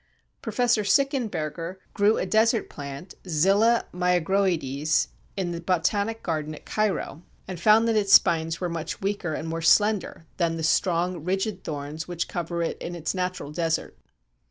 Professor Sickenberger grew a desert plant (Zilla myagroides) in the Botanic Garden at Cairo, and found that its spines were much weaker and more slender than the strong rigid thorns which cover it in its natural desert.